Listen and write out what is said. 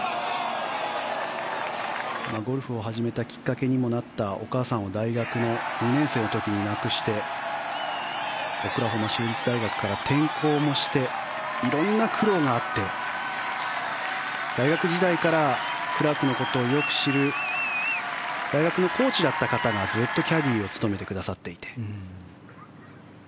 ゴルフを始めたきっかけにもなったお母さんを大学の２年生の時に亡くしてオクラホマ州立大学から転校もして色んな苦労があって大学時代からクラークのことをよく知る大学のコーチだった方がずっとキャディーを務めてくださっていて。